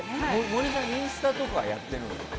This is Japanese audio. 森さん、インスタとかやってるんですか？